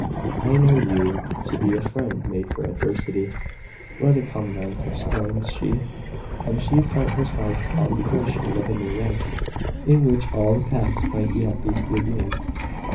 "I know you to be a friend made for adversity." "Let it come, then!" exclaimed she. And she felt herself on the threshold of a new life, in which all the past might yet be redeemed.